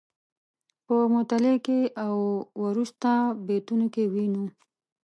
په مطلع کې او وروسته بیتونو کې وینو.